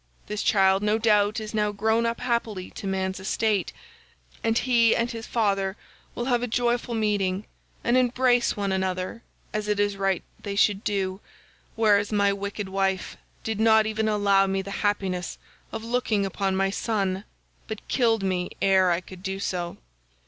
This child no doubt is now grown up happily to man's estate,96 and he and his father will have a joyful meeting and embrace one another as it is right they should do, whereas my wicked wife did not even allow me the happiness of looking upon my son, but killed me ere I could do so.